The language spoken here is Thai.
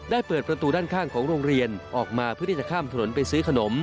ข่าวไปข้ามถนน